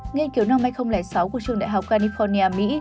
nghiên cứu năm hai nghìn sáu của trường đại học california mỹ